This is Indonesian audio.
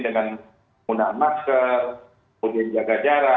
mudah menjaga jarak